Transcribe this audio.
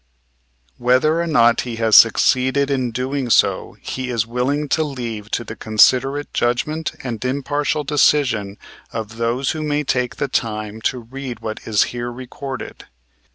Whether or not he has succeeded in doing so he is willing to leave to the considerate judgment and impartial decision of those who may take the time to read what is here recorded.